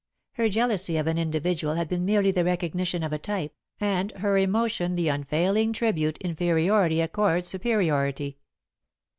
Her jealousy of an individual had been merely the recognition of a type, and her emotion the unfailing tribute inferiority accords superiority.